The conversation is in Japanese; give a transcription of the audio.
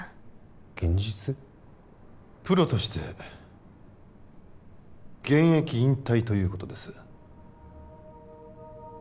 プロとして現役引退ということです